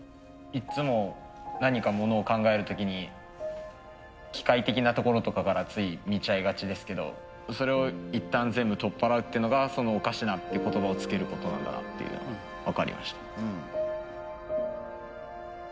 いっつも何かものを考える時に機械的なところとかからつい見ちゃいがちですけどそれを一旦全部取っ払うっていうのがその「おかしな」っていう言葉をつけることなんだなっていうのが分かりました。